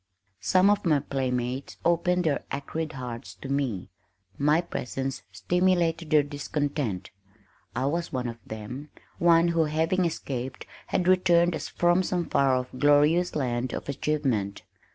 Some of my playmates opened their acrid hearts to me. My presence stimulated their discontent. I was one of them, one who having escaped had returned as from some far off glorious land of achievement.